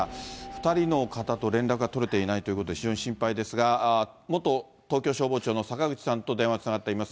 ２人の方と連絡が取れていないということで非常に心配ですが、元東京消防庁の坂口さんと電話がつながっています。